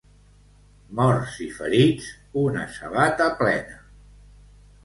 Morts i ferits, una sabata plena.